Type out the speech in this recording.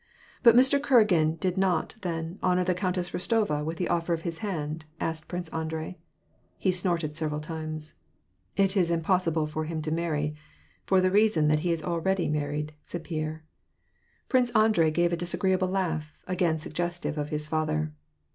" But Mr. Kuragin did not, then, honor the Countess Bostova with the offer of his hand ?" asked Prince Andrei. He snorted several times. " It is impossi^Dle for him to marry, for the reason that he is already married," said Pierre. Prince Andrei gave a disagreeable laugh, again suggestive of his father.